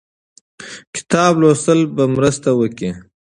کتاب لوستل به مرسته وکړي.